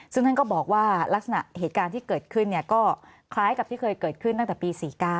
ซึ่งท่านก็บอกว่าลักษณะเหตุการณ์ที่เกิดขึ้นก็คล้ายกับที่เคยเกิดขึ้นตั้งแต่ปี๔๙